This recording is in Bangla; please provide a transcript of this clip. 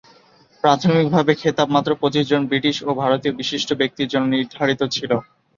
প্রাথমিকভাবে খেতাব মাত্র পঁচিশজন ব্রিটিশ ও ভারতীয় বিশিষ্ট ব্যক্তির জন্য নির্ধারিত ছিলো।